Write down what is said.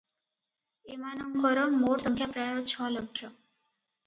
ଏମାନଙ୍କର ମୋଟସଂଖ୍ୟା ପ୍ରାୟ ଛଲକ୍ଷ ।